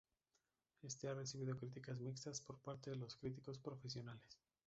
Este ha recibido críticas mixtas por parte de los críticos profesionales.